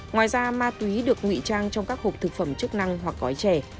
ngoài ra ma túy được ngụy trang trong các hộp thực phẩm chức năng hoặc gói chè